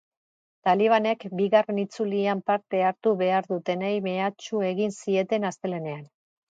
Talibanek bigarren itzulian parte hartu behar dutenei mehatxu egin zieten astelehenean.